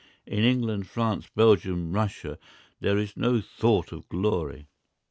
In England, France, Belgium, Russia, there is no thought of glory.